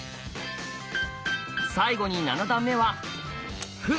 最後に七段目は歩。